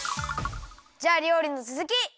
じゃありょうりのつづき！